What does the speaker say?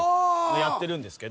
やってるんですけど。